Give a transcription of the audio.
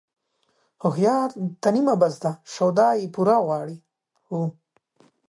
هوښيار ته نيمه بس ده ، شوده يې پوره غواړي.